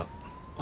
あ。